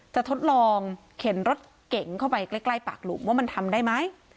ทดลองเข็นรถเก่งเข้าไปใกล้ปากหลุมว่ามันทำได้ไหม